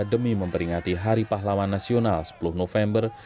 demi memperingati hari pahlawan nasional sepuluh november